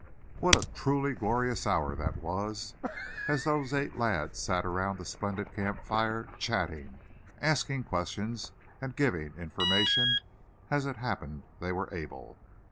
What a truly glorious hour that was, as those eight lads sat around the splendid camp fire, chatting, asking questions, and giving information, as it happened they were able.